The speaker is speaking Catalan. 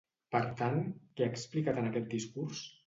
Per tant, què ha explicat en aquest discurs?